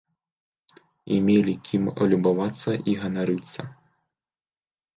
І мелі кім любавацца і ганарыцца.